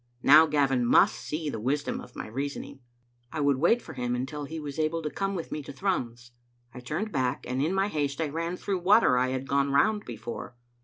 Now Gavin must see the wis dom of my reasoning. I would wait for him until he was able to come with me to Thrums. I turned back, and in my haste I ran through water I had gone round before.